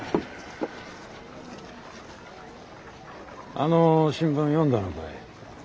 あの新聞読んだのかい？